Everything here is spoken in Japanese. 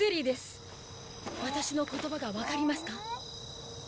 ワタシの言葉がわかりますか？